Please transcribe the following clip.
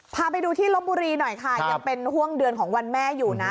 พาไปดูที่ลบบุรีหน่อยค่ะยังเป็นห่วงเดือนของวันแม่อยู่นะ